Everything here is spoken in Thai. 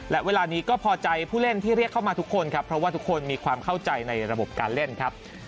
และเวลานี้ก็พอใจผู้เล่นที่เรียกเข้ามาทุกคนครับเพราะว่าทุกคนมีความเข้าใจในระบบการเล่นครับ